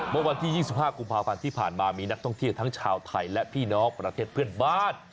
เมื่อวันที่๒๕กุมภาพันธ์ที่ผ่านมามีนักท่องเที่ยวทั้งชาวไทยและพี่น้องประเทศเพื่อนบ้าน